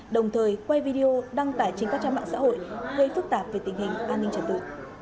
đồng thời quay video đăng tải trên các trang mạng xã hội gây phức tạp về tình hình an ninh trật tự